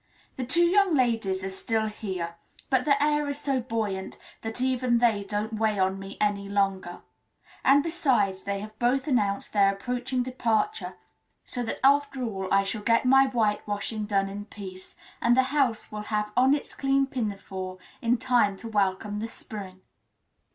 The two young ladies are still here, but the air is so buoyant that even they don't weigh on me any longer, and besides, they have both announced their approaching departure, so that after all I shall get my whitewashing done in peace, and the house will have on its clean pinafore in time to welcome the spring.